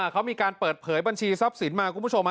เขามีการเปิดเผยบัญชีทรัพย์สินมาคุณผู้ชม